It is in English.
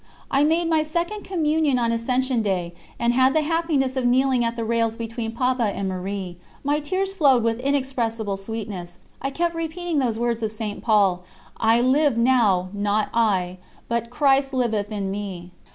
I made my second Communion on Ascension Day, and had the happiness of kneeling at the rails between Papa and Marie. My tears flowed with inexpressible sweetness; I kept repeating those words of St. Paul: "I live now, not I; but Christ liveth in me."